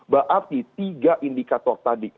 berarti tiga indikator tadi